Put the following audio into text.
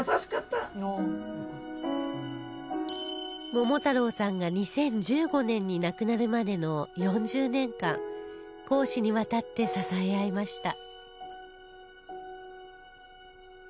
桃太郎さんが２０１５年に亡くなるまでの４０年間公私にわたって支え合いました